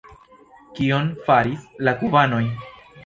Kion faris la kubanoj?